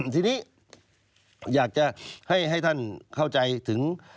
ทีนี้อยากจะให้ท่านเข้าใจถึง